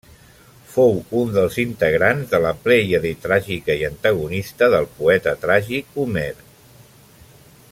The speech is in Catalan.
Fou un dels integrants de la plèiade tràgica i antagonista del poeta tràgic Homer.